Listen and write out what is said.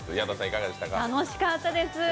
楽しかったです。